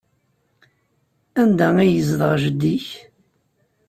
Anda ay yezdeɣ jeddi-k?